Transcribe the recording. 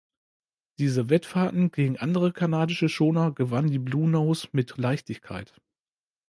Diese Wettfahrten gegen andere kanadische Schoner gewann die Bluenose mit Leichtigkeit.